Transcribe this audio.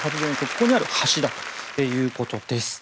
ここにある橋だということです。